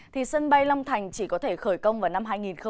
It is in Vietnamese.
thì sân bay long thành chỉ có thể khởi công vào năm hai nghìn hai mươi